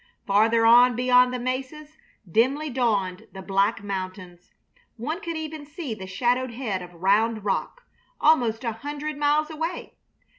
Farther on beyond the mesas dimly dawned the Black Mountains. One could even see the shadowed head of "Round Rock," almost a hundred miles away.